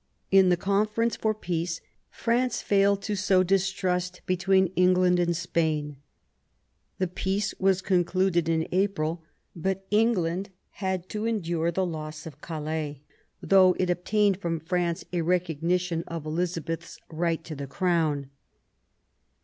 In the conference for peace France failed to sow distrust between England and Spain. The peace was con cluded in April; but England had to endure the loss of Calais, though it obtained from France a recognition of Elizabeth's right to the Crown.